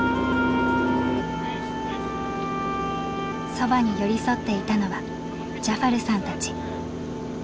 そばに寄り添っていたのはジャファルさんたち。